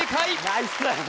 ナイス！